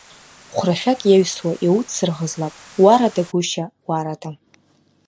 Хәрашәак иаҩсуа иуцсырӷзлап, Уарада гәышьа, Уарада!